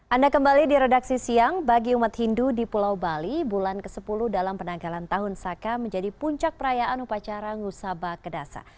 anda kembali di redaksi siang bagi umat hindu di pulau bali bulan ke sepuluh dalam penanggalan tahun saka menjadi puncak perayaan upacara ngusaba kedasa